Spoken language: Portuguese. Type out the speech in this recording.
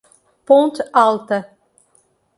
Ponte Alta